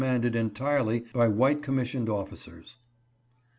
manded entirely by white commissioned officers.